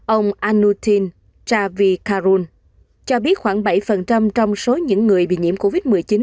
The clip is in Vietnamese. ông anutin chavirakul cho biết khoảng bảy trong số những người bị nhiễm covid một mươi chín